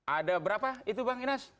ada berapa itu bang inas